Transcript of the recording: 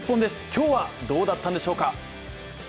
今日はどうだったんでしょうか？